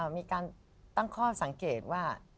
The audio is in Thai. มีการตั้งข้อสังเกตว่า